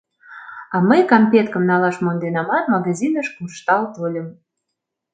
А мый кампеткым налаш монденамат, магазиныш куржтал тольым.